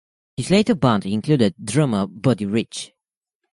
His later band included drummer Buddy Rich.